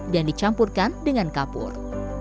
dan dicampurkan dengan kapur